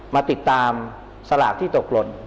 มาติดตามสลากที่ตกหล่น